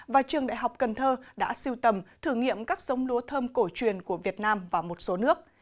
và trường đại học cần thơ đã siêu tầm thử nghiệm các giống lúa thơm cổ truyền của việt nam và một số nước